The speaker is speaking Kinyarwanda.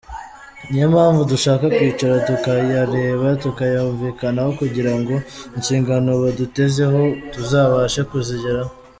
Niyo mpamvu dushaka kwicara tukayareba, tukayumvikanaho kugira ngo inshingano badutezeho tuzabashe kuzigeraho.